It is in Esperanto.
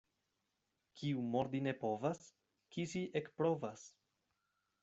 Kiu mordi ne povas, kisi ekprovas.